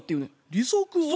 利息を？